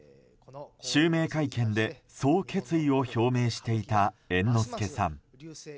襲名会見で、そう決意を表明していた猿之助さん。